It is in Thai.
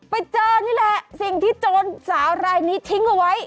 ไปเจอนี่แหละสิ่งที่โจรสาวรายนี้ทิ้งเอาไว้